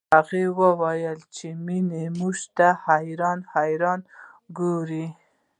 هغې وويل چې مينه موږ ته حيرانه حيرانه ګوري